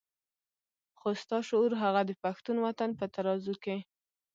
خو ستا شعور هغه د پښتون وطن په ترازو کې.